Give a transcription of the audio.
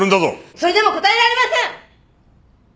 それでも答えられません！